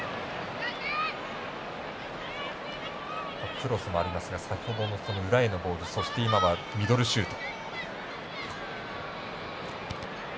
クロスもありますが先ほどの裏へのボールそして、今はミドルシュート。